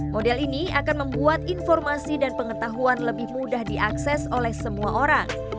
model ini akan membuat informasi dan pengetahuan lebih mudah diakses oleh semua orang